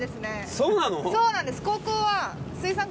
そうなんです。